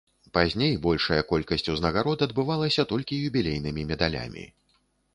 Пазней большая колькасць узнагарод адбывалася толькі юбілейнымі медалямі.